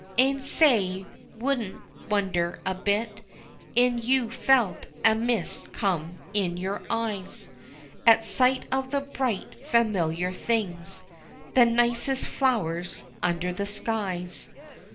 An' say, I would'nt wonder a bit In you felt a mist come in your eyes At sight of the bright familiar things, The nicest flowers under the skies.